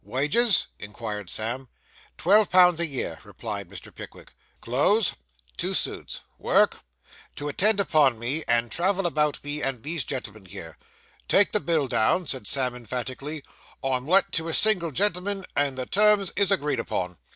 'Wages?' inquired Sam. 'Twelve pounds a year,' replied Mr. Pickwick. 'Clothes?' 'Two suits.' 'Work?' 'To attend upon me; and travel about with me and these gentlemen here.' 'Take the bill down,' said Sam emphatically. 'I'm let to a single gentleman, and the terms is agreed upon.